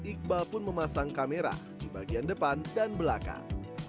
iqbal pun memasang kamera di bagian depan dan belakang